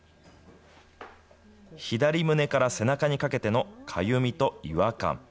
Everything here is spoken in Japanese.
左胸から背中にかけてのかゆみと違和感。